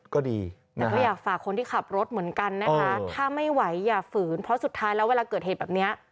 ก็ดีแต่ก็อยากฝากคนที่ขับรถเหมือนกันนะคะถ้าไม่ไหวอย่าฝืนเพราะสุดท้ายแล้วเวลาเกิดเหตุแบบนี้